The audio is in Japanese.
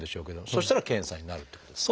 そしたら検査になるってことですか？